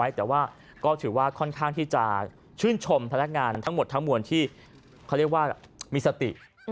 แต่ว่าก็ถือว่าค่อนข้างที่จะชื่นชมพนักงานทั้งหมดทั้งมวลที่เขาเรียกว่ามีสติ